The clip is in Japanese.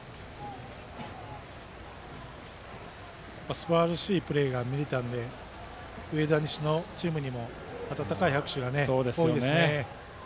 すばらしいプレーが見られたので上田西の選手たちにも温かい拍手が多いですね。